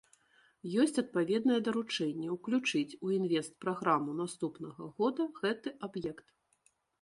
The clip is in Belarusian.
Ёсць адпаведнае даручэнне ўключыць у інвестпраграму наступнага года гэты аб'ект.